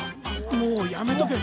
もうやめとけ。